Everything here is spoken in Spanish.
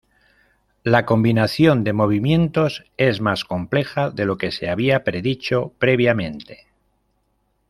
La combinación de movimientos es más compleja de lo que se había predicho previamente.